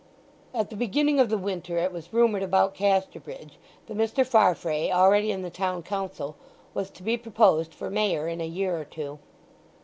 At the beginning of the winter it was rumoured about Casterbridge that Mr. Farfrae, already in the Town Council, was to be proposed for Mayor in a year or two.